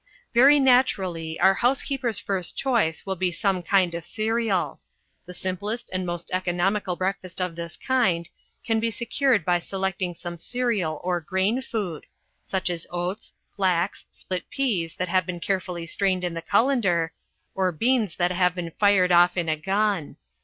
Very naturally our housekeeper's first choice will be some kind of cereal. The simplest and most economical breakfast of this kind can be secured by selecting some cereal or grain food such as oats, flax, split peas that have been carefully strained in the colander, or beans that have been fired off in a gun.